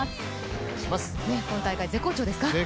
今大会、絶好調ですか。